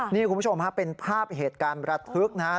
นี่คุณผู้ชมฮะเป็นภาพเหตุการณ์ระทึกนะครับ